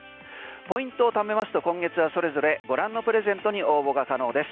ポイントを貯めますと今月はそれぞれ御覧のプレゼントに応募が可能です。